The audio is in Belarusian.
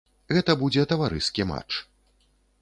Гэта будзе таварыскі матч.